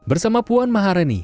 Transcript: bersama puan maha reni